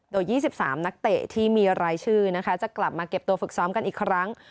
โดย๒๓นักเตะที่มีรายชื่อนะคะจะกลับมาเก็บตัวฝึกซ้อมกันอีกครั้ง